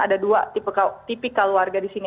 ada dua tipikal warga di sini